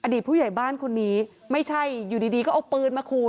ผู้ใหญ่บ้านคนนี้ไม่ใช่อยู่ดีก็เอาปืนมาขู่